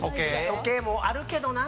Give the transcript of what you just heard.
時計もあるけどな。